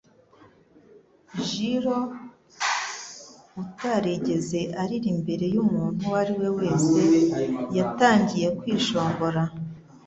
Jiro, utarigeze arira imbere y'umuntu uwo ari we wese, yatangiye kwishongora.